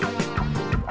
kamu harus ada